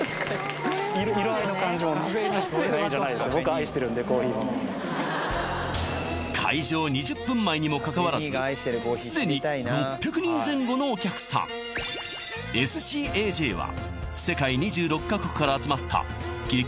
色合いの感じも開場２０分前にもかかわらずすでに６００人前後のお客さんＳＣＡＪは世界２６か国から集まった激